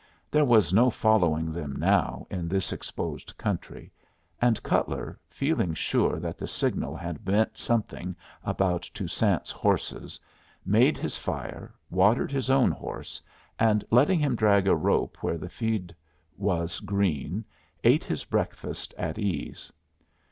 There was no following them now in this exposed country, and Cutler, feeling sure that the signal had meant something about Toussaint's horses, made his fire, watered his own horse, and letting him drag a rope where the feed was green, ate his breakfast in ease.